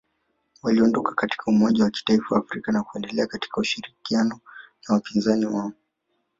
Waliondoka katika umoja wa kitaifa Afrika na kuendelea katika ushirikiano na wapinzani wao